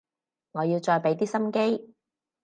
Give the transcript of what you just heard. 我要再畀啲心機